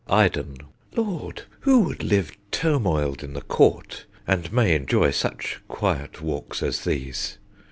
_ Iden. Lord! who would live turmoiléd in the court, And may enjoy such quiet walks as these!